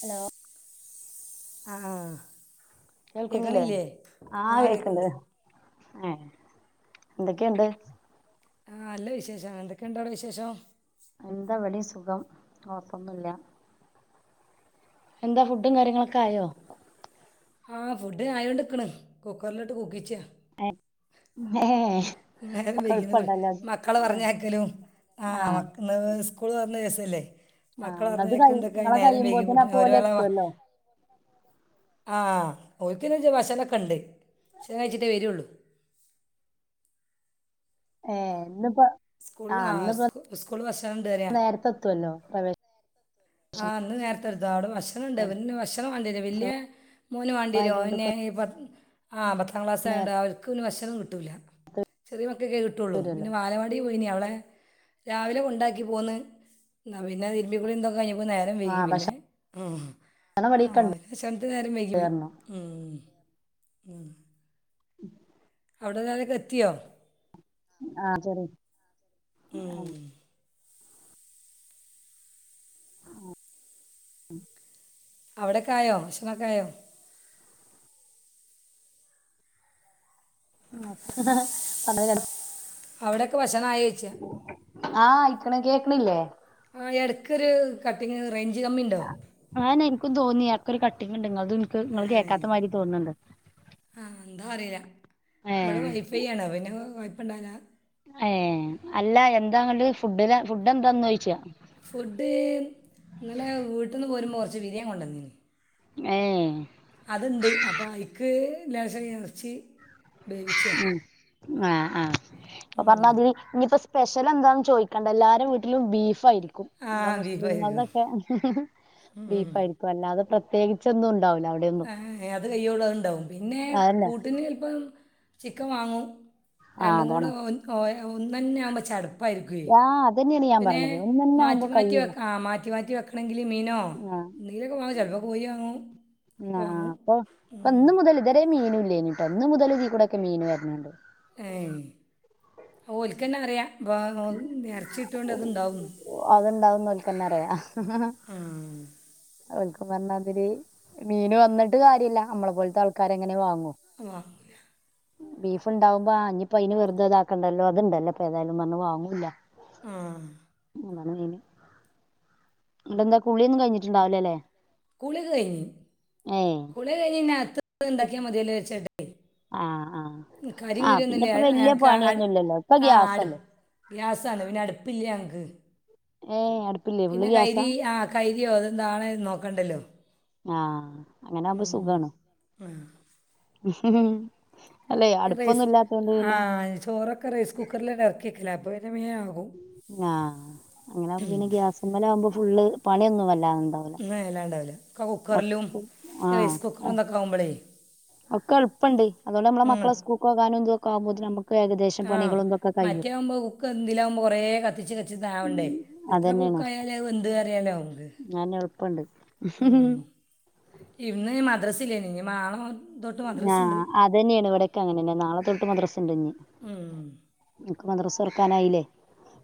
Hello ആഹ് കേൾക്കുന്നില്ലേ കേക്കണില്ലേ ആഹ് കേക്ക്ണ്ട് ഏ എന്തൊക്കെണ്ട് ആഹ് അല്ല വിശേഷം എന്തൊക്കെണ്ടവിടെ വിശേഷം എന്തവെടിം സുഖം കൊഴപ്പൊന്നുല്ല എന്താ ഫുഡും കാര്യങ്ങളൊക്കെ ആയോ ആ ഫുഡ് ആയൊണ്ട്ക്ക്ണ് കുക്കറിലിട്ട് കൂക്കിച്ച എഹ് ഏഹ് നേരം ഒക്കെ വേയ്ക്ന്നതും എളുപ്പണ്ടല്ലോ അത് മക്കളെ പറഞ്ഞക്കലും ആ ആഹ് മക്കള് സ് സ്കൂൾ തുറന്ന ദിവസല്ലേ ആഹ് മക്കളെ നിങ്ങത് കൈ പറഞ്ഞയക്കുന്നതൊക്കെ ആയി ഇങ്ങളെ നേരം വൈകി കയ്യുമ്പോത്തിനും കൂട്ടിന് അപ്പൊ ഒരു ഓല് വേള എത്തുവല്ലോ ആഹ് ഓൽക്ക് പിന്നെ ഭക്ഷണം ഒക്കെണ്ട ഭക്ഷണം കഴിച്ചിട്ടേ വരുള്ളൂ ഏഹ് ഇന്ന് സ്കൂൾ ആ സ്കൂള് ഭഷണണ്ട് പറയാ നേരത്തെ എത്തുവല്ലോ പ്രവേശനം ആഹ് ഇന്ന് നേരത്തെ [unintelligible] ഭക്ഷണണ്ട് [unintelligible] ഭക്ഷണം വലിയ മോന് വാണ്ടിയരും ഓൻ ആയതുകൊണ്ട് പിന്നെ ഇപ്പോ ഈ [unintelligible] ആഹ് പത്താം ക്ലാസ്സയൊണ്ട് നേരത്തെ അവക്ക്ന്നെ [unintelligible] കിട്ടൂല ചെറിയ ഒക്കെ [unintelligible] കിട്ടുള്ളൂ വരുവല്ലോ പിന്നെ ബാലവാടില് പോയിന് അവി രാവിലെകൊണ്ടാക്കി പോന്ന് പിന്നെ തിരുബികുളിയിതൊക്കെ [unintelligible] കഴിഞ്ഞ് നേരം വൈകി ആഹ് പിന്നെ ഭക്ഷണം ആ ഇവിടെക്കെണ്ട് ഭക്ഷണത്തിന് നേരം വൈകി പോയി പറഞ്ഞു മ് മ് [inaudible] ഉം [inaudible] അവിടെല്ലാരൊക്കെ എത്തിയോ ആ ശരി അ ഉം. ആ ഉ അവിടെക്കായോ ഭക്ഷണൊക്കെയായോ ആ പറഞ്ഞത് കറ അവിടേക്ക ഭഷ് ണം ആയേച്ച് ക്കണ്‌ കേക്കണില്ലേ എടക്കൊര് കട്ടിങ് റേ ആനെനിക്കും തോന്നി ആ ഒരു കട്ടിങ്ങ്ങെണ്ട്ങ്ങോൽ തെനിക്ക് ഇങ്ങൾ ഏ കേക്കാത്ത മാരി തോന്നുന്നെണ്ട് ആ എന്താ അറിയില്ല ഏ ഇവിടെ വൈഫൈ ആണ് പിന്നെ [unintelligible] ഏഹ് അല്ല എന്താ അങ്ങട് ഫുഡിന് ഫുഡ് എന്താന്ന് ചോദിച്ചാ ഫുഡ് ഇന്നലെ വീട്ടിന്ന് പോരുമ്പ കൊറച്ച് ബിരിയാണി കൊണ്ടന്നീ ഏ അതിണ്ട് അപ്പൊ ഐക്ക് ലേശം എറച്ചി ഉ ആഹ് ആഹ് അപ്പൊ പറഞ്ഞത് ഇനിയിപ്പ സ്പെഷ്യൽ എന്താന്ന് ചോദിക്കണ്ടെല്ലാവരേയും വീട്ടിലും ബീഫ് ആയിരി ക്കും ആ നമ്മളെ ബീഫായിരിക്കും മുസ്ലിങ്ങളതൊക്കെ ഹ് ഹ് ബീഫായിയിരിക്കും അല്ലാതെ പ്ര ത്യേകിച്ചൊന്നും ഉണ്ടാവൂല്ല അത് കയ്യോളം അത് ഇണ്ടാവും പിന്നെ അതന്നെ കൂട്ടിന് ചെല്പ്പം ചിക്കൻ വാങ്ങും ആ രണ്ടും കൂടെ അതാണ് ഒ എ ഒന്നെന്നെ ആവുമ്പോ ചടപ്പായിരിക്കെ ആ അതന്നെയാണ് ഞാൻ പിന്നെ പറഞ്ഞത് ഒന്നന്നെ മാറ്റി ആവുമ്പോ മാറ്റി കഴിയൂല ആ മാ റ്റി മാറ്റി വെക്കണെങ്കി മീനോ ആ ന്തേലൊക്കെ വാങ്ങും ചെലപ്പോ കോയി വാങ്ങും ഒക്കെ ആ വാങ്ങും അപ്പൊ ഇപ്പം ഉം. ഇന്ന് മുതൽ ഇത് വരേ മീനും ഇല്ല്യേര്ന്ന്ട്ടൊ ഇന്ന് മുതല് ഇതിലൂടൊക്കെ മീന് വര്ണ് ണ്ട് ഏ ഓൽക്കെന്നെ അറിയാ വ വ് ഇറച്ചി കിട്ട്യോതോണ്ട് അത് ഇണ്ടാവും അതുണ്ടാവുന്നോൽക്കന്നെ അവർക്ക് പറഞ്ഞ മാതിരി മീൻ വന്നിട്ട് കാര്യല്ല നമ്മളെ പോലത്തെ ആൾക്കാര് എങ്ങനെ വാങ്ങും ആ ബീഫുണ്ടാവുമ്പോ അയിനിപ്പ വെറുതെ ഇതക്കണ്ടല്ലോ ഇത്ണ്ടല്ലോ ഏതായാലും വന്ന് വാ [inaudible] ആ [unintelligible] എന്താ കുളിയൊന്നും കഴിഞ്ഞിട്ടുണ്ടാവില്ലല്ലേ കുളി ഒക്കെ കഴിഞ്ഞ് ഏയ് കുളി കഴിഞ്ഞകത്ത് [inaudible] ക്യ മതിയല്ലോ ആഹ് ആഹ് [unintelligible] കരിം ആഹ് കുരുന്നില്ല പിന്നെപ്പോ വല്യ ഞക്ക് അട് പണിയൊന്നും ഇല്ലല്ലോ ഇപ്പൊ ആ അട് ഗ്യാസല്ലേ ഗ്യാസ്സാണ് അടുപ്പ്ല്ല ഞ [inaudible] ഏയ് അട് പിന്നെ [unintelligible] ആ കൈ യോ [unintelligible] നോക്കണ്ടല്ലോ ആ അങ്ങനാവുമ്പോ ഉം. സുഖാണ് ആ ഹ് ഹ് റൈസ് ആ ചോറൊക്കെ റൈസ് കുക്കറിലങ്ങട്ട് എറക്കിക്കല അപ്പൊ പി ആഹ് അങ്ങനാകുമ്പോ ഉം. പിന്നെ ഗ്യാസ്മ്മലാകുമ്പോ ഫുള്ള് പണിയൊന്നു [unintelligible] കുക്കറിലും ഒക്കെ റൈസ് ആഹ് കുക്കറും അതൊക്കെ ആവുമ്പോളേ ഒക്കെ എളുപ്പുണ്ട് അതൊണ്ട് നമ്മെ മക്കളെ സ്കൂക്കകാനും എന്ത് [unintelligible] ആഹ് മറ്റേവുമ്പോ കുക്ക് എന്തിലകുമ്പോ കൊറേ കത്തിച്ച് കത്തിച്ചാവണ്ടേ ഇത്ര അതന്നെയാണ് കുക്ക് ആയാലും അത് വെന്ത് അറിയാലോ മ്മക് അതെന്നെ എളുപ്പണ്ട് ഉം ഇന്ന് മതേർസ് ലേ [unintelligible] ആഹ് അതന്നെയാണ് ഇവിടക്കെ അങ്ങനെന്നെ നാളെ തൊട്ട മദ്രസി ഇണ്ടോഞ്ഞി ഉം മദ്രസ് തൊർക്കാനായില്ലേ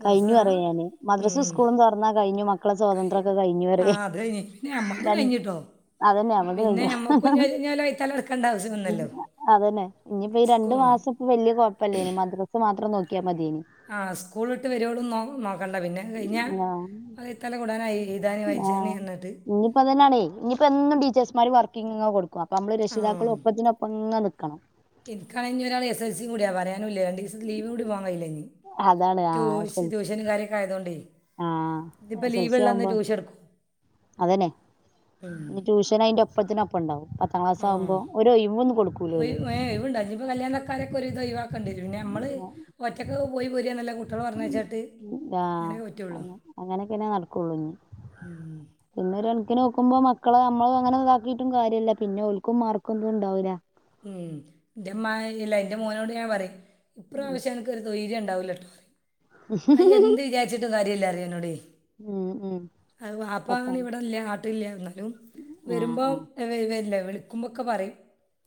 മദ്രസ് കഴിഞ്ഞു ആ പറയ ഞാന് മദ്രസ ഉം സ്കൂളും തുറന്നാ കഴിഞ്ഞു മക്കളെ സ്വാതന്ത്യമൊക്കെ കഴിഞ്ഞു ആ പറയ അത് കഴിഞ്ഞ് പിന്നെ [unintelligible] നമ്മൾതും കഴിഞ്ഞിട്ടോ അതന്നെ ഞമ്മളത് പിന്നെ കഴിഞ്ഞു ഞമ്മക്കും ഇഞ്ഞ് വൈത്താലെ നടക്കണ്ട ആവശ്യം വന്നല്ലോ അതന്നെ ഇനിയിപ്പ ഈ സ്കൂ രണ്ടു മാസം ഇപ്പോ വല്യ കൊഴപ്പല്ലേനി മദ്രസ മാത്ര നോക്കിയ ആ സ്കൂളിട്ട് വരൂ നോ നോക്കണ്ട പിന്നെ കഴിഞ്ഞ ആഹ് അതി ഇത്തടെ കൂടായി ആഹ് ഇനിയിപ്പോതന്നെയണേ ഇനിയിപ്പ എന്നും ടീച്ചേഴസ്മാര് വർക്കിങ് കൊടുക്കുക നമ്മള് രക്ഷിതാക്കളും ഒപ്പത്തിനൊപ്പങ്ങനെ നീ ക്കണം എന്ക്കണേ ഇനി ഒരാള് എസ് എൽ സി കൂടിയാ പറയാൻ ഞാനുമില്ലേ രണ്ട് ദിവസം ലീവ് കൂടി വാങ്ങായിരുന്നിലെ അതാണ് ട്യൂഷ് ട്യൂഷനും കാരൊക്കെ ആയതുകൊണ്ടേ അഹ് ഇന്നിപ്പോൾ എസ് എൽ സി ലീവുള്ളന്ന് ആവുമ്പോ ട്യൂഷൻ എടുക്കും അതന്നെ ഉം ഇനി ട്യൂഷൻ അയിന്റെ ഒപ്പത്തിനൊപ്പം ഉണ്ടാവും [inaudible] പത്താം ക്ലാസ ആകുമ്പോ ഒരു ഒഴിവ് ഒന്ന് കൊടുക്കും ഒഴിവ് ഇണ്ട്പ്പ കല്യാണക്കാരൊക്കെ ഒരു വിതം ഒഴിവാക്കണ്ട് പിന്നെ നമ്മള് ഒറ്റക്ക് പോയി പോരിനല്ല കു അഹ് അങ്ങനെയക്കെ നടക്കുള്ളുഞ് ഉം പിന്നെ ഒരു കണക്കിന് നോക്കുമ്പോ മക്കളെ നമ്മള് അങ്ങനെ ഇതാക്കിയിട്ടും കാര്യമല്ല പിന്നെ ഓളുക്കും മാർക്കും ഒന്നും ഉണ്ടാവൂല്ല ഉം എന്റെമ്മ ഇല്ല എന്റെ മോനോട് ഞാൻ പറയും ഇപ്രാവശ്യം എനക്കൊരു തോയിര്യം ഉണ്ട് ഇണ്ടാവുല്ലാട്ടോ അത് എന്ത് വിചാരിച്ചിട്ട് ഒരു കാര്യം ഇല്ല അറിയുനോട് ഉം ഉം അത് ബാപ്പാണ് പത്താം ഇവിടെല്ല നാട്ടിലില്ല എന്നാലും ആഹ് വരുമ്പോ ആഹ് വരില്ല വിളിക്കുമ്പൊക്കെ പറയും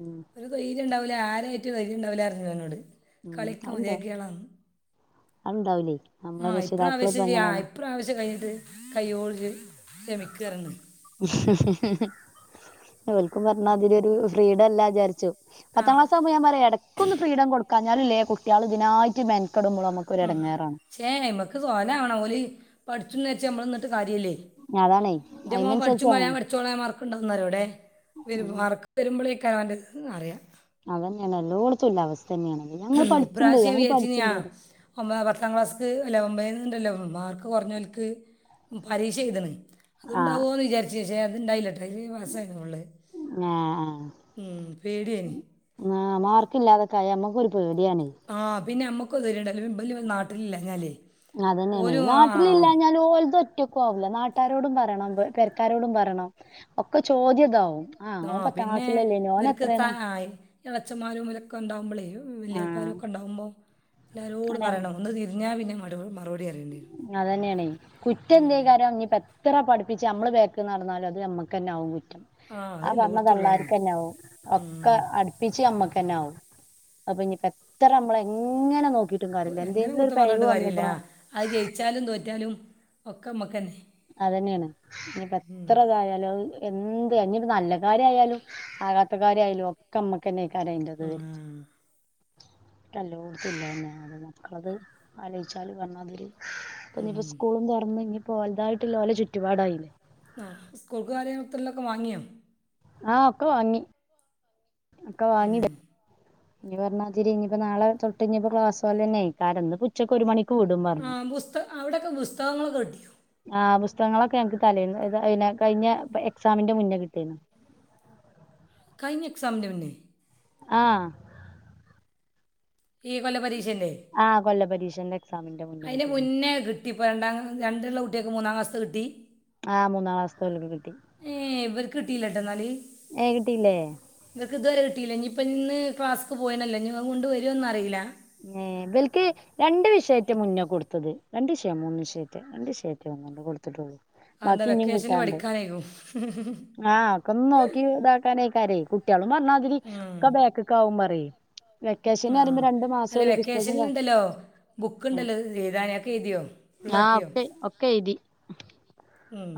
ഉം ഒരു തൊയിരുണ്ടാവു ലെ ആരായിട്ട് [unintelligible] ഉം കളിക്ക അത്ണ്ടാവും മതിയാക്കിയാളാന്ന് അത്ണ്ടാവൂലേ ആ നമ്മളെ രക്ഷിതാക്കൾ ഇപ്പ ഇപ്രാവശ്യം യ്യ് ആ എങ്ങനെയാണ് ഇപ്രാവശ്യം കഴിഞ്ഞിട്ട് കയ്യോളം ജ്ജ് ഓൽക്കും പറഞ്ഞാ അതിലൊരു ഫ്രീഡം അല്ല വിചാരിച്ചു ആ പത്താം ക്ലാസ് ആവുമ്പോ ഞാൻ പറയും എടയ്ക്ക് ഒന്ന് ഫ്രീഡം കൊടുക്കാൻ [unintelligible] കുട്ടികള് ഇതിനായിട്ട് മെ ഉം ക്ഷേ നമ്മക്ക് സോലവണംഓലി പഠിചൂന്ന് വെച്ച് നമ്മള് എന്നിട്ട്- കാര്യമല്ലേ അതാണേ എന്റെ മോൻ പഠിച്ചു അതിനനുസരിച്ച് ഉം പറയാൻ പഠിചൂളാം മാർക്കുണ്ടെന്നു പറയും ഇവിടേ വരുമ്പ മാർക്ക് വരുമ്പോഴേ ഒക്കൻ [unintelligible] അറിയാം അത് തന്നെയാണ് എല്ലോടത്തും ഉള്ള അവസ് ഇപ്രാവശ്യം വിചാരിച്ച് ഞാ പറയും. ഒൻപതാം പത്താം ക്ലാസ്ക്ക് അല്ല ഒമ്പതി ണ്ടല്ലോ മാർക്ക് കുറഞ്ഞോല്ക്ക് പരീക്ഷ എഴുതണേ ആ ഉണ്ടാവോന്നു വിചാരിച്ച് പക്ഷെ അതുണ്ടായില്ല കെ ഡിഗ്രി പാസ്സായിരുന്നു മോള് ഉള്ളെ ആ, ഉം പേടിയായി പേടിയാണ് പിന്നെ നമ്മുക്ക് [unintelligible] ഉണ്ടാവില്ല ഇവര് നാട്ടിലില്ലാഞ്ഞാലേ അതന്നെയാണ് നാട്ടിലില്ലാഞ്ഞാല് ഓലത് ഒറ്റക്കും ആവില്ലേ നാട്ട് കൂട്ടാരോടും പറയണം പെരക്കാരോടും പറയണം ഒക്കെ ചോദ്യമിതാവും ആ പിന്നെ ഇവർക്ക് ത [unintelligible] ഇളയച്ഛൻമാരും ഇവരൊക്കെ ഉണ്ടാകുമ്പോഴേ ആ വലിയപ്പമാരും ഒക്കെ ഉണ്ടാകുമ്പോൾ എല്ലാരോടും അങ്ങനെ പറയണം ഒന്ന് തിരിഞ്ഞാ പിന്നെ അ [unintelligible] അതന്നെയാണേ കുറ്റം എന്ത് ഉം. ചെയ്താലും ഇനിയിപ്പോ എത്ര പഠിപ്പി ഞമ്മള് ബാക്കി നടന്നാലും അത് നമുക്ക് തന്നെയാവും കുറ്റ അത് ആ എല്ലോടത്തുള്ള തന്നെ പറഞ്ഞതള്ളാർക്കെന്നെയാവും ഒക്കെ ഉം. അടുപ്പിച്ച് ഞമ്മക്ക് തന്നെയാവും അതിപ്പോ ഇനിപ്പോ എത്ര നമ്മള് എങ്ങനെ നോക്കി നോക്കീട്ടും കാര്യല്ല എങ്ങനെ എന്തെങ്കിലും ഒരു കുത്തം പിഴവ് പറഞ്ഞിട്ട് കാര്യമില്ല വന്നേക്കണോ അത് ജയിച്ചാലും തോറ്റാലും ഒക്കെ നമ്മക്കന്നെ അതന്നെയാണ് ഇനിപ്പം എത്ര ഇതായാലും അത് എന്ത് ഇനിയ് ഒരു നല്ല കാര്യമായാലും ആകാത്ത കാര്യമായാലും ഒക്കെ നമ്മക്ക് തന്നെ കരയണ്ടതു ഒക്കെ ഉം. എല്ലോട്ത്തും ഇല്ലതന്നെ [unintelligible] മക്കളത് ആലോചിച്ചാല് പറഞ്ഞാതിരി ഉം. പ്പഞ്ഞിപ്പോ സ്കൂളും തുറന്ന് ഇപ്പോൾതായിട്ടുള്ള തായിട്ടുള്ള ഓലെ ചുറ്റുപാടായിന് ആ സ്കൂൾക്ക് കാര്യങ്ങത്തുള്ള വാങ്ങിയോ ആഹ് ഒക്കെ വാങ്ങി അക്ക വാങ്ങി ഉം. ഇനി പറഞ്ഞ മാതിരി ഇനിപ്പോ നാളെ തൊട്ട് ഇനിയിപ്പോ ക്ലാസ്സ് പോലന്നെ ആയി, കാരണം ഇന്നിപ്പോ ഉച്ചക്ക് ഒരു മണി ആ ബുസ്ത അവിടെയൊക്കെ ബുസ്തകങ്ങള് കിട്ട് ആഹ് പുസ്തകങ്ങളൊക്കെ ഞങ്ങക്ക് തലേന്ന് ഏതാ പിന്നെ കഴിഞ്ഞ എക്സാമിന്റെ മുന്നേ കിട്ടിന്നു. കയിഞ്ഞ എക്സാമിൻ്റെ മുന്നേ ആഹ് ഈ കൊല്ല പരീ ആഹ് കൊല്ല പരീക്ഷ എന്നെ അയിന് മുന്നേ കിട്ടിപ്പോ രണ്ടാം രണ്ട്ള്ള കു ട്ട്യേക്ക് മൂന്നാം ക്ലാസ്ത്തെ കിട്ടി ആഹ് മൂന്നാം ക്ലാസ്ത്തെ ഓല്ക്ക് കിട്ടി ഏ ഇവർക്ക് കിട്ടിയില്ല കേട്ടോ എന്നാൽ ഏഹ് കിട്ടീല്ലെ ഇപ്പം ഇന്ന് ക്ലാസ്ക്ക് പോയ്ണല്ലൊ ഇഞ്ഞ് അഹും കൊണ്ട് വരോന്ന് അറീല്ല പിന്നേ ഇവൽക്ക് രണ്ട് വിഷയറ്റെ മുന്നേ കൊടുത്തത് രണ്ട് വിഷയം മൂന്ന് വിഷയറ്റെ രണ്ട് വിഷയറ്റെ രണ്ട് ഒന്നിന്ന് കൊടുത്തിട്ടൊള്ളൂ എന്താ ബാക്കി ഇഞ്ഞും വെക്കേഷനിൽ കിട്ടാണ്ട് പഠിക്കാനായിരിക്കും ആഹ് ഒക്കെ ഒന്ന് നോക്കി ഇതാക്കാനേ ക്കാരെ കുട്ട്യേളൊ ഇമ്മറ്ണാതിരി ഉം. ഒക്കെ ബേക്കിക്കാവും പറയ് ആ വെക്കേഷനറിമ്പം രണ്ട് മാസം അല്ല പുസ്തകം വെക്കേഷനിലുണ്ടല്ലോ ബുക്ക് ഉണ്ടല്ലോ എഴുതാന് അഹൊക്കെ എഴുത്യോ ഫുള്ളാക്ക്യോ എധി ഉം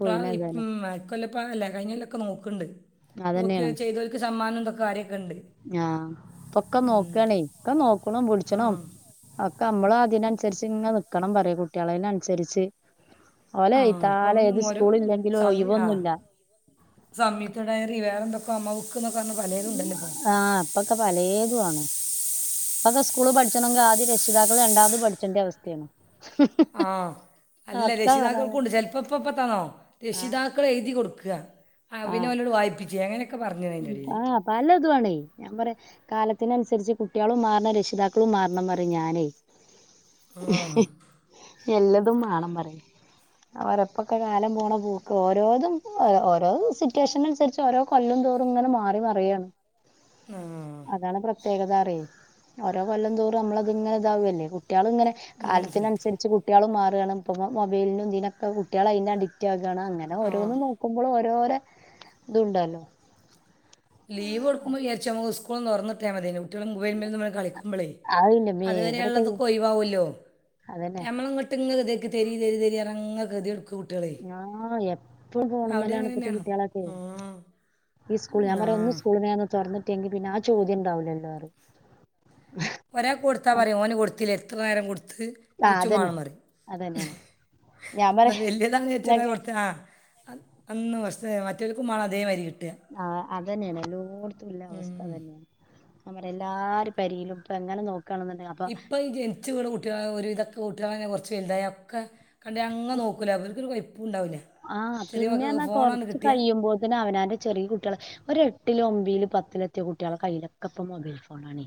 [unintelligible] ഇപ്പം അതല്ല കഴിഞ്ഞ കൊല്ലൊക്കെ നോക്കുണ്ട് അതെന്നേണ് കാര്യമൊക്കെ ഉണ്ട് ആഹ് ഇപ്പൊക്കെ ഉം. നോക്കാണേ ഒക്കെ നോക്ക്ണും ആ ബുട്ച്ച്ണും ഒക്കെ നമ്മള് ഇതിനനുസരിച്ച് ഇങ്ങനെ നിക്കണം പറയും കുട്ടികളന്നെ അനുസരിച്ച് ആഹ് അപ്പം ഒരോ സമയ ആ ഒഴിവൊന്നുമില്ല സമയത്തേടെ വേറെ എന്തൊക്കെ എന്നൊക്കെ പറഞ്ഞ പലതും ഉണ്ടല്ലോ ഇപ്പം ആഹ് അപ്പൊക്കെ പലേതു ആണ് ഇപ്പൊക്കെ സ്കൂളി പഠിച്ചണോങ്കി ആദ്യം രക്ഷിതാക്കള് രണ്ടാമത് പഠിച്ചന്റെ അവസ്ഥയാണ് ആ അല്ല ഒക്കെ രക്ഷിതാക്കൾക്കും ഉണ്ട് പറഞ്ഞാതന്നെ ചെലപ്പിപ്പിപ്പ ആഹ് രക്ഷിതാക്കള് എഴുതി കൊടുക്ക് ക്ക ആഹ് അതിൻ്റെ ഇടയിൽ ആഹ് പല ഇതു ആണേ ഞാൻ പറ കാലത്തിനനുസരിച്ച് കുട്ടിയളും മാറണം രക്ഷിതാക്കളും മാറണംന്ന് പറയും ഞാനേ ആ എല്ലതും മാണം പറയും അവരെപ്പൊക്കെ കാലം പോണ പോക്ക് ഓരോതും ഓരോ സിറ്റുവേഷൻ അനുസരിച്ച് ഓരോ കൊല്ലം തോറും ഇങ്ങനെ മാറി മറിയുവാണ് ആ അതാണ് പ്ര പ്രത്യേകതാ പറിം ഓരോ കൊല്ലം തോറും നമ്മളത് ഇങ്ങനെ ഇതാവല്ലേ കുട്ടികളും ഇങ്ങനെ ഉം, ശരി. കാലത്തിനനുസരിച്ച് കുട്ടികളും മാറാണ് ഇപ്പൊ മൊബൈലിനും ഇതിനൊക്കെ കുട്ടികൾ അതിന് അഡിക്റ്റ് ആകല്ലേ താണ് അങ്ങനെ ആ ഓരോന്ന് നോക്കുമ്പളോ രോര ഇതുണ്ടല്ലോ ഒന്നൊറന്നിട്ടാ മതീനു കുട്ട്യള് മൊബൈലന്ന് പറഞ്ഞ് കളിക്കുമ്പോളേ അതിന്റെമ്മേ ഇവിടൊക്കെ അതുവരെയൊള്ളതൊക്ക ഒയ് വാകുവല്ലോ അതന്നെ ഞമ്മളങ്ങട്ടിങ്ങ [unintelligible] തെരി തെരി തെരി അതങ്ങ് [unintelligible] ഞാ എപ് പളും ഫോണിമ്മല്ലാണ് അങ്ങനെ ഇപ്പത്തെ തന്നെയാണോ കുട്ടികളൊക്കേ ആ ഈ സ്കൂൾ ഞാൻ ആ പറയാ ഒന്ന് സ്കൂളിന്നേഒന്ന് തുറന്ന് ങ്കി പിന്നെ ആ ചോദ്യം ഉണ്ടാവില്ലല്ലോരും ഒരാ കൊടുത്താ പറയും ഓന് കൊടുത്തില്ലെ ത്രനേരം കൊട് ആ നീച്ചു അതന്നെ മണമാറി അതന്നെയാണ് ഞാൻ എന്നാ വലിയതാ ചച്ച പറയാ കൊർത്തന ആ അന്ന് വ മറ്റൊരു കുമ്മാള അതേം വരി കിട്ടും ആഹ് അതന്നെണ്. എല്ലോട്ത്തുംല്ല അവസ്ഥ ഉം. അതന്നെണ്. ഞാൻ പറയ എല്ലാരെ പെരീലും ഇപ്പ എങ്ങനെ നോ ഇപ്പൊ ഈ ജനിച്ച് വീണ കുട്ടികളെ ഒരുവിധ കൂട്ട്യാളെന്നെ കൊർച്ച് വല്തായ ഒക്കെ കണ്ടയ് അങ്ങ നോക്കൂല്ല ഇവൽക്കൊരു കൊയ് ആഹ് പിന്നെ ർഞാ കൊറച്ച് കിട്ടിയാൽ കഴിയുമ്പോത്തിന് അവനാന്റെ ചെറിയ കുട്ടിയളെ ഒരെ ട്ടിലും, ഒമ്പിലും, പത്തിലും എത്തിയ കുട്ടിയളെ കയ്യിലൊക്കെപ്പം മൊബൈൽ ഫോണാണേ.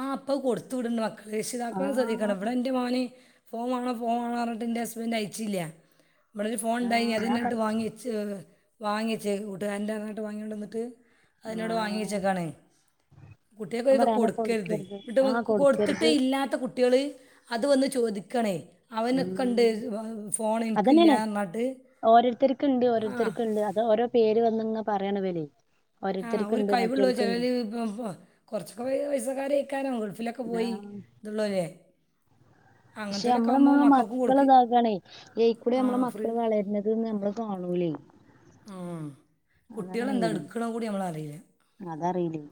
ആഹ് അപ്പത് കൊടുത്തു വിട്ണ്ട് മക്കള് രക്ഷിതാക്കള് ത് ശ്രദ്ധിക്കണ്ടെ ആഹ് ഇവടെ ഇൻ്റെ മോന് ഫോൺ വാണോ ഫോൺ വാണോ പറഞ്ഞിട്ട് ഇൻ്റെ ഹസ്ബൻഡ് അയ്ച്ചില്ല. ഇബടൊര് ഫോൺ ഉണ്ടായി ഇനി ആഹ് അത് ഞാൻ പറ ന്നട്ട് വാങ്ങി വെച്ച് വാങ്ങിയച് കൂട്ടുകാരൻ്റാ പറഞ്ഞാട്ട് വാങ്ങിയൊണ്ടന്നിട്ട് അതിനോട് വാങ്ങി ആഹ് വച്ചക്കാണ്. കുട്ടിയേക്കൊര് ഞാൻ വിധം പറയാ അങ്ങനെ കൊട് തേ കൊടുക്കരുത് ആഹ് [unintelligible] കൊടുത്തിട്ട് കൊടുക്കരുത് ഇല്ലാത്ത കുട്ടിക ങ്ങള്അത് വന്ന് ചോദിക്കണേ അവനൊക്കെണ്ട് ഉം ഫോൺ എനി ക്കില്ലാന്നറിഞ്ഞിട്ട് ‌ക്കിണ്ട് ഓരോരുത്തർക്കെണ്ട് അത് ഓരോ പേര് വന്നങ്ങ പറയാണ വെലേ ആ ഒരു കൈവിള്ളോര് ചിലത് പ പ കുറച്ചൊക്കെ പൈ പൈസക്കാര് ഇക്കാനോ ഗൾഫിലൊക്കെ പോയി ആഹ് ഇതുള്ളൂല്ലേ പക്ഷെ അമ്മള് മ്മള് മക്കളെ ഇതാക്കാണേ എയ്ക്കൂടെ ആ അമ്മള മക്കള് വളരണതേന്ന് നമ്മള് കാണൂല്ലേ ഉം കുട്ടികൾ എന്താ മെയിന് എടുക്കണം കൂടി നമ്മളറിയില്ല അതറിയില്ലേ